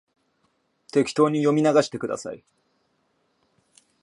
適当に読み流してください